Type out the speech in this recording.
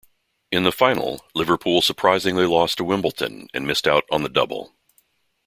In the final, Liverpool surprisingly lost to Wimbledon and missed out on the "double".